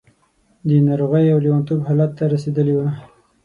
د ناروغۍ او لېونتوب حالت ته رسېدلې وه.